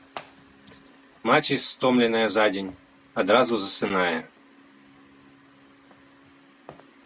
Маці, стомленая за дзень, адразу засынае.